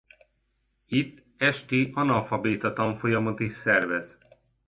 Itt esti analfabéta-tanfolyamot is szervez.